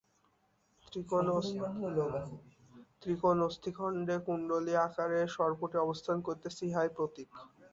ত্রিকোণ-অস্থিখণ্ডে কুণ্ডলী-আকারে সর্পটি অবস্থান করিতেছে, ইহাই প্রতীক।